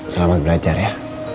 selamat belajar ya